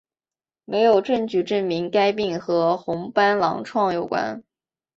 没有证据证明该病和红斑狼疮有关。